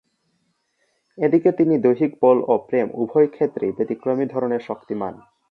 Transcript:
এদিকে তিনি দৈহিক বল ও প্রেম উভয়ক্ষেত্রেই ব্যতিক্রমী ধরনের শক্তিমান।